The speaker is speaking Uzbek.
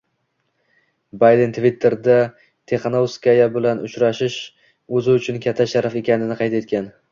Bayden Twitter’da Tixanovskaya bilan uchrashish o‘zi uchun katta sharaf ekanini qayd etgan